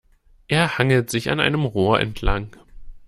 Er hangelt sich an einem Rohr entlang.